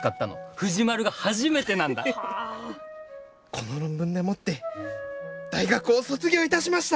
この論文でもって大学を卒業いたしました！